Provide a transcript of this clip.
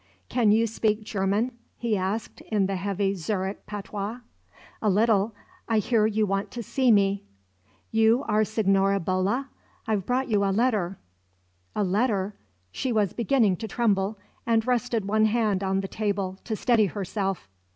"Can you speak German?" he asked in the heavy Zurich patois. "A little. I hear you want to see me." "You are Signora Bolla? I've brought you a letter." "A letter?" She was beginning to tremble, and rested one hand on the table to steady herself.